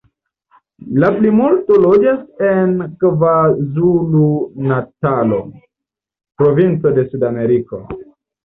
La plimulto loĝas en Kvazulu-Natalo, provinco de Sud-Afriko.